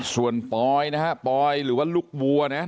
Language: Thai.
ส่วนปอยนะฮะปอยหรือว่าลูกวัวนะ